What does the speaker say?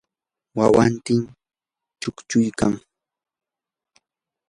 wawantami chuchuykan.